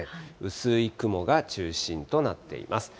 薄い雲が中心となっています。